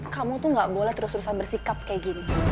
kamu tuh gak boleh terus terusan bersikap kayak gini